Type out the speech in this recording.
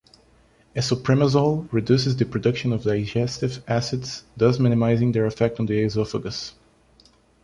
Esomeprazole reduces the production of digestive acids, thus minimizing their effect on the esophagus.